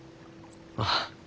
ああ。